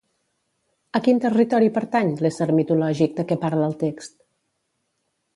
A quin territori pertany l'ésser mitològic de què parla el text?